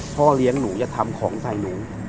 พ่อเลี้ยงหนูอย่าทำของใส่หนู